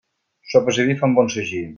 Sopes i vi fan bon sagí.